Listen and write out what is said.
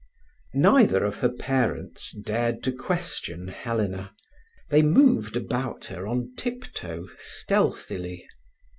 Neither of her parents dared to question Helena. They moved about her on tiptoe, stealthily.